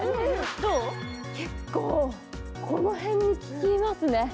結構、この辺に効きますね。